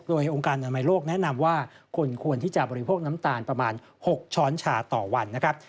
โดยองค์การอนามัยโลกแนะนำว่าคนควรที่จะบริโภคน้ำตาลประมาณ๖ช้อนชาต่อวันนะครับ